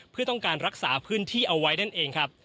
เพื่อต้องการรักษาพื้นที่เอาไว้นั่นเองครับ